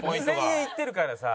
２０００円いってるからさ。